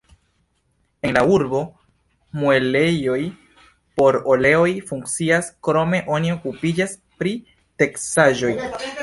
En la urbo muelejoj por oleoj funkcias, krome oni okupiĝas pri teksaĵoj.